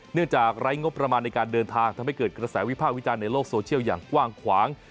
จากไร้งบประมาณในการเดินทางทำให้เกิดกระแสวิภาควิจารณ์ในโลกโซเชียลอย่างกว้างขวาง